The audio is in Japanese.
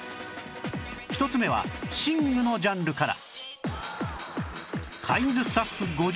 １つ目は寝具のジャンルから